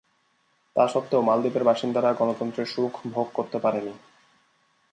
তা সত্ত্বেও মালদ্বীপের বাসিন্দারা গণতন্ত্রের সুখ ভোগ করতে পারেনি।